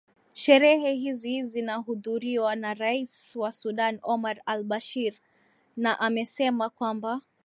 sherehe hizi zinahudhuriwa na rais wa sudan omar al bashir na amesema kwamba